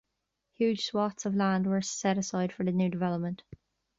Huge swathes of land were set aside for the new development.